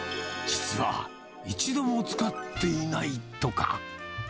実は一度も使っていないとか。